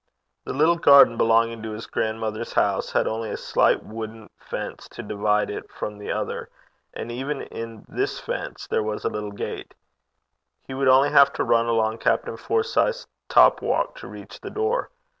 The little garden belonging to his grandmother's house had only a slight wooden fence to divide it from the other, and even in this fence there was a little gate: he would only have to run along Captain Forsyth's top walk to reach the door.